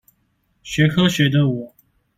學科學的我